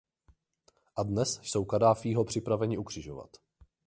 A dnes jsou Kaddáfího připraveni ukřižovat!